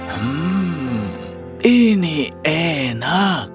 hmm ini enak